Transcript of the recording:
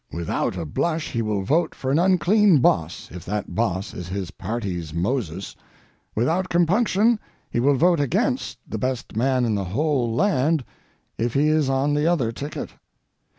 Without a blush he will vote for an unclean boss if that boss is his party's Moses, without compunction he will vote against the best man in the whole land if he is on the other ticket.